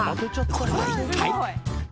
これは一体？